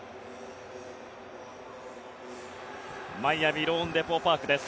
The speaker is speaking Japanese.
マイアミローンデポ・パークです。